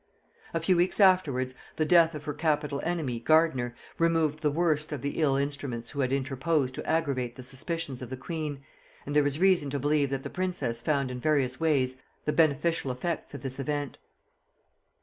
] A few weeks afterwards, the death of her capital enemy, Gardiner, removed the worst of the ill instruments who had interposed to aggravate the suspicions of the queen, and there is reason to believe that the princess found in various ways the beneficial effects of this event.